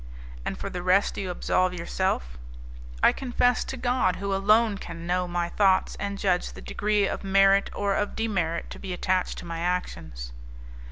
"And for the rest you absolve yourself?" "I confess to God, who alone can know my thoughts and judge the degree of merit or of demerit to be attached to my actions."